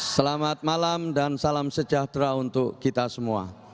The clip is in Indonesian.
selamat malam dan salam sejahtera untuk kita semua